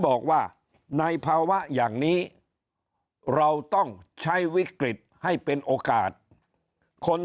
บอกว่าในภาวะอย่างนี้เราต้องใช้วิกฤตให้เป็นโอกาสคน